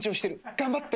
頑張って！